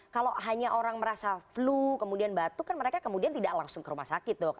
kalau hanya orang merasa flu kemudian batuk kan mereka kemudian tidak langsung ke rumah sakit dok